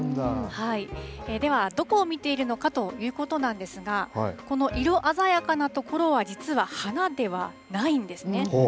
では、どこを見ているのかということなんですが、この色鮮やかな所は実は花ではないんですね。